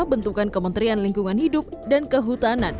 bentukan kementerian lingkungan hidup dan kehutanan